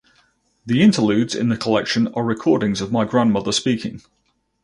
The interludes in the collection are recordings of my Grandmother speaking.